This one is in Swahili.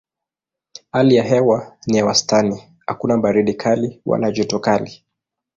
Hali ya hewa ni ya wastani hakuna baridi kali wala joto kali.